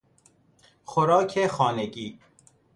خوراک خانگی